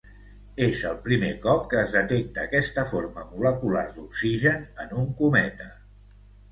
És el primer cop que es detecta aquesta forma molecular d'oxigen en un cometa.